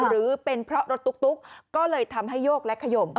หรือเป็นเพราะรถตุ๊กก็เลยทำให้โยกและขยม